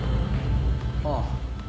ああ。